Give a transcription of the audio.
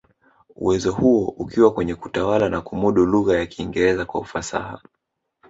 Uwezo huo ukiwa kwenye kutawala na kumudu lugha ya Kiingereza kwa ufasaha